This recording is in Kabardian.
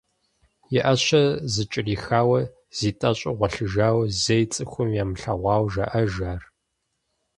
И ӏэщэ зыкӏэрихауэ, зитӏэщӏу гъуэлъыжауэ зэи цӏыхум ямылъэгъуауэ жаӏэж ар.